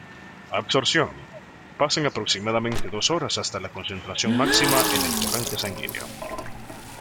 Absorción: pasan aproximadamente dos horas hasta la concentración máxima en el torrente sanguíneo.